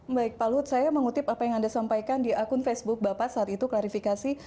menurut saya mengutip apa yang anda sampaikan di akun facebook bapak saat itu klarifikasi